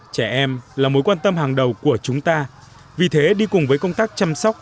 trẻ em là mối quan tâm hàng đầu của chúng ta vì thế đi cùng với công tác chăm sóc